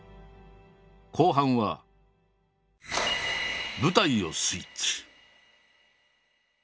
後半は舞台をスイッチ。